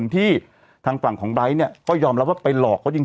ท่านฝั่งของบรากย์เนี่ยมันยอมรับว่าไปหลอกเขาจริง